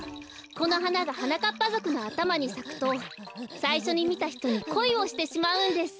このはながはなかっぱぞくのあたまにさくとさいしょにみたひとにこいをしてしまうんです。